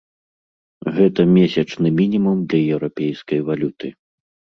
Гэта месячны мінімум для еўрапейскай валюты.